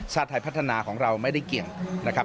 ไทยพัฒนาของเราไม่ได้เกี่ยงนะครับ